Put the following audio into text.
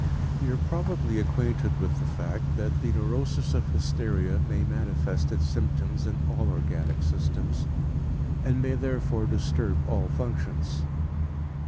You are probably acquainted with the fact that the neurosis of hysteria may manifest its symptoms in all organic systems and may therefore disturb all functions.